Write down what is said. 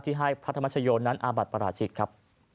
ที่ให้พระธรรมชโยชน์นั้นอาบัติประหลาดชิดครับ